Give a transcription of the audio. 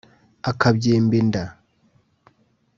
akabyimba inda